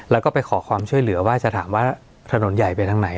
แล้วก็ไปขอความช่วยเหลือว่าจะถามว่าถนนใหญ่ไปทางไหน